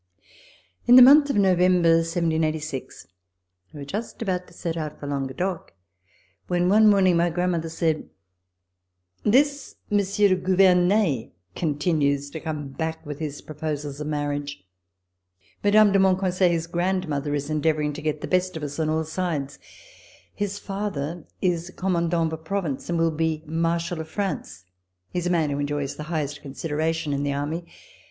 In the month of November, 1789, we were just about to set out for Languedoc when one morning my grandmother said : "This Monsieur de Gouvernet continues to come back with his proposals of marriage. Mme. de Mon conseil, his grandmother, is endeavoring to get the best of us on all sides; his father is Commandant of a province and will be Marshal of France. He is a man who enjoys the highest consideration in the Army.